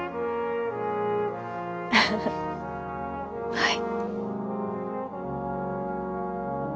はい。